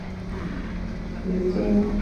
时间和生命的关系乃是剧中的一大哲学。